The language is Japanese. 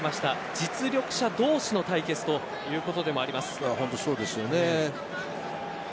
実力者同士の対決ということでもあります。